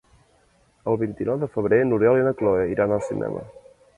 El vint-i-nou de febrer n'Oriol i na Cloè iran al cinema.